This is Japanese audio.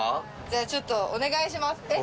じゃあちょっとお願いします。